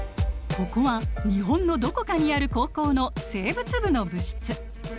ここは日本のどこかにある高校の生物部の部室。